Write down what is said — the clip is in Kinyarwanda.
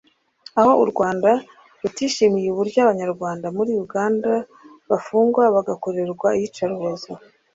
aho u Rwanda rutishimiye uburyo abanyarwanda muri Uganda bafungwa bagakorerwa iyica rubozo